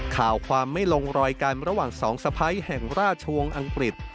ข่าวความไม่ลงรอยกันระหว่างสองสะพ้ายแห่งราชวงศ์อังกฤษ